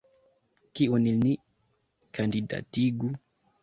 Kiun ni kandidatigu?